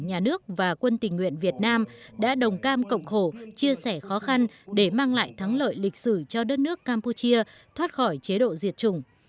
đảng nhà nước và quân tình nguyện việt nam đã đồng cam cộng khổ chia sẻ khó khăn để mang lại thắng lợi lịch sử cho đất nước campuchia thoát khỏi chế độ diệt chủng